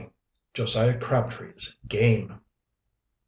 JOSIAH CRABTREE'S GAME.